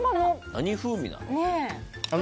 何風味なの？